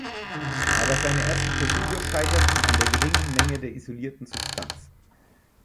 Aber seine ersten Versuche scheiterten an der geringen Menge der isolierten Substanz.